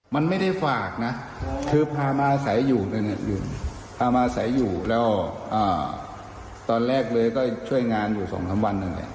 มันไม่ได้ฝากนะคือพามาใส่อยู่พามาใส่อยู่แล้วตอนแรกเลยก็ช่วยงานอยู่สองสามวันหนึ่ง